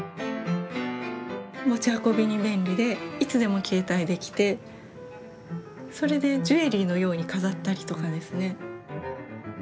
持ち運びに便利でいつでも携帯できてそれでジュエリーのように飾ったりとかですね。